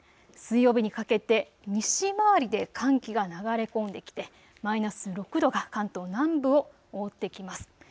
水曜日にかけて西回りで寒気が流れ込んできてマイナス６度が関東南部を覆ってきます。